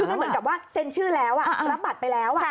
คือมันเหมือนกับว่าเซ็นชื่อแล้วรับบัตรไปแล้ว